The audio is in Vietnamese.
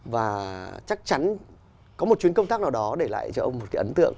và chắc chắn có một chuyến công tác nào đó để lại cho ông một cái ấn tượng